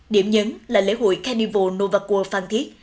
điểm nhấn là lễ hội carnival novakur phan thiết